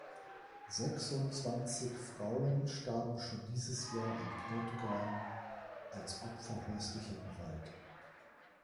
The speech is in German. Sechsundzwanzig Frauen starben schon dieses Jahr in Portugal als Opfer häuslicher Gewalt.